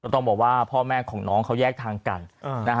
ต้องบอกว่าพ่อแม่ของน้องเขาแยกทางกันนะฮะ